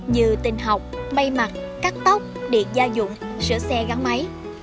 như tình học may mặt cắt tóc điện gia dụng sửa xe gắn máy